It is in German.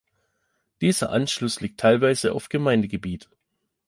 Dieser Anschluss liegt teilweise auf Gemeindegebiet.